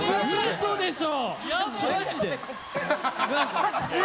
嘘でしょ！？